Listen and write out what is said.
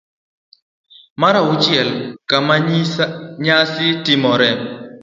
mar auchiel. Kama nyasi timoree